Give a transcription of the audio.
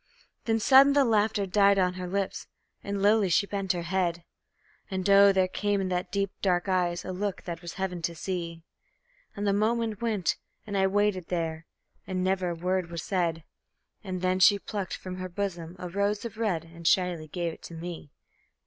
Then sudden the laughter died on her lips, and lowly she bent her head; And oh, there came in the deep, dark eyes a look that was heaven to see; And the moments went, and I waited there, and never a word was said, And she plucked from her bosom a rose of red and shyly gave it to me.